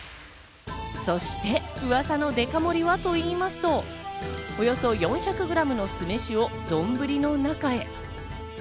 そして、うわさのデカ盛りはと言いますとおよそ４００グラムの酢飯をどんぶりの中へ。